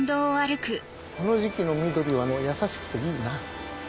この時季の緑は優しくていいな。